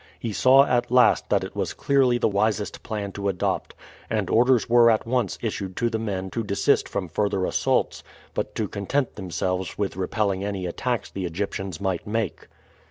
He saw at last that it was clearly the wisest plan to adopt, and orders were at once issued to the men to desist from further assaults, but to content themselves with repelling any attacks the Egyptians might make.